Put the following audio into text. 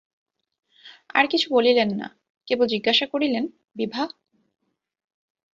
আর কিছু বলিলেন না, কেবল জিজ্ঞাসা করিলেন, বিভা?